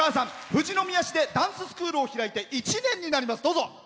富士宮市でダンススクールを開いて１年になります。